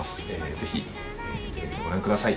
ぜひテレビでご覧ください